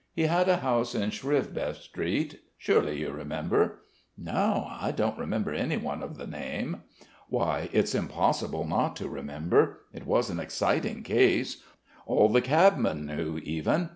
He had a house in Sviribev Street.... Surely you remember." "No, I don't remember anyone of the name." "Why, it's impossible not to remember. It was an exciting case. All the cabmen knew, even.